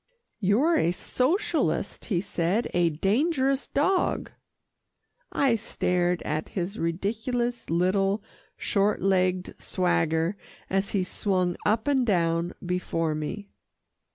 "You're a socialist," he said, "a dangerous dog." I stared at his ridiculous, little, short legged swagger, as he swung up and down before me.